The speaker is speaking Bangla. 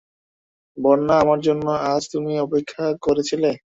বন্যা, আমার জন্যে আজ তুমি অপেক্ষা করে ছিলে?